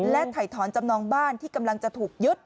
และถ่ายถอนจำนองบ้านที่กำลังจะถูกยึด